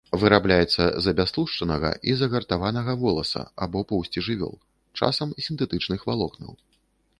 Вырабляецца з абястлушчанага і загартаванага воласа або поўсці жывёл, часам сінтэтычных валокнаў.